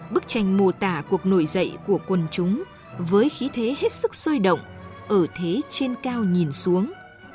bức tranh mô tả cuộc nổi dậy của quân chúng với khí thế hết sức sôi động ở thế trên cao nhìn xuống